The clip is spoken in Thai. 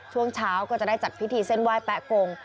ช่วงเช้าก็จะได้จัดพิธีเส้นไหว้แป๊ะกง